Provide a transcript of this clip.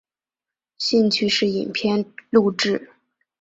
兴趣是影片录制。